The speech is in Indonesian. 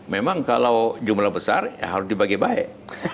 memang kalau jumlah besar ya harus dibagi baik